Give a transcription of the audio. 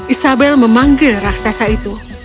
isabel memanggil raksasa itu